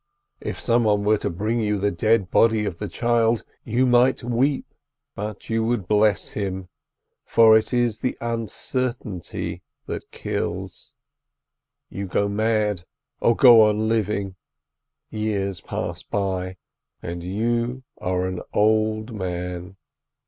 If some one were to bring you the dead body of the child, you might weep, but you would bless him, for it is the uncertainty that kills. You go mad, or go on living. Years pass by, and you are an old man.